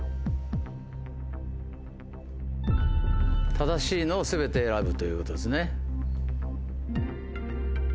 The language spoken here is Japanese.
正しいのを全て選ぶということですね。